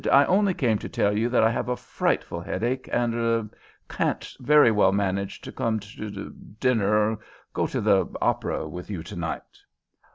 "I only came to tell you that I have a frightful headache, and er I can't very well manage to come to dinner or go to the opera with you to night."